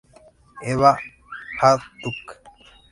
Eva Hajduk.